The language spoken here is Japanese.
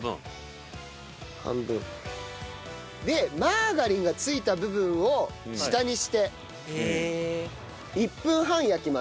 でマーガリンがついた部分を下にして。